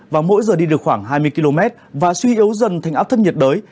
và mỗi giờ đi được khoảng hai mươi km và suy yếu dần thành áp thấp nhiệt đới